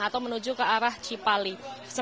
atau menuju ke arah jawa tengah